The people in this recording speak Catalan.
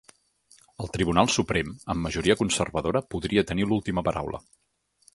El Tribunal Suprem, amb majoria conservadora, podria tenir l’última paraula.